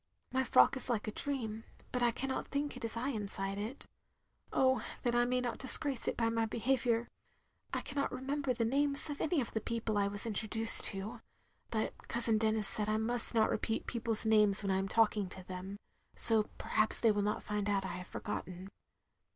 " My frock is like a dream, but I cannot think it is I inside it. ... Oh that I may not disgrace it by my behaviour. ... I cannot remember OF GROSVENOR SQUARE 275 the names of any of the people I was introduced to, but Cousin Denis said I must not repeat people's names when I am talking to them, so perhaps they will not find out I have forgotten.